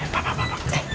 pak pak pak